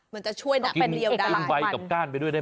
มันจะช่วยนะจะได้คุณกินติดหมดแดงไปด้วยแล้ว